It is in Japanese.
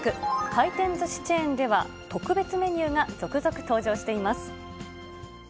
回転ずしチェーンでは、特別メニューが続々と登場しています。